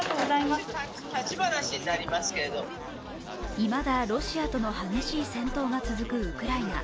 いまだロシアとの激しい戦闘が続くウクライナ。